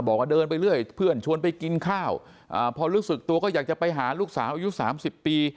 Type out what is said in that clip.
บอกว่าเดินไปเรื่อยเพื่อนชวนไปกินข้าวพอรู้สึกตัวก็อยากจะไปหาลูกสาวอายุ๓๐ปี